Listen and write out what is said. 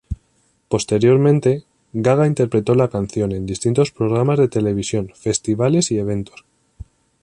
Posteriormente, Gaga interpretó la canción en distintos programas de televisión, festivales y eventos.